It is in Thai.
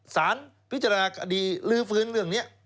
สารพิจารณาคดีลื้อฟื้นเรื่องนี้